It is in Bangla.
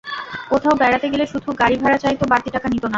কোথাও বেড়াতে গেলে শুধু গাড়ি ভাড়া চাইত, বাড়তি টাকা নিত না।